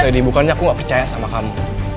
jadi bukannya aku gak percaya sama kamu